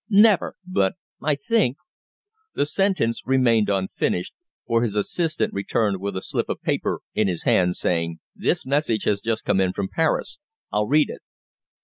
"Never. But I think " The sentence remained unfinished, for his assistant returned with a slip of paper in his hand, saying: "This message has just come in from Paris, I'll read it.